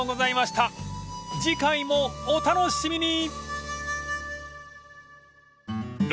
［次回もお楽しみに！］